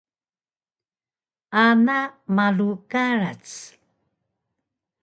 Ana malu karac